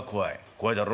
「怖いだろ？」。